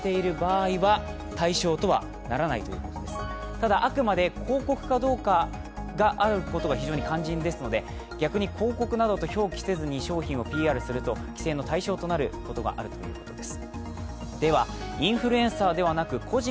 ただ、あくまで「広告」があるかどうかが肝心ですので、逆に広告などと表記せずに商品をＰＲすると規制の対象となることがあるということです。